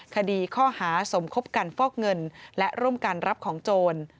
คดีข้อหาสมคบกันฟอกเงินและร่วมกันรับของโจร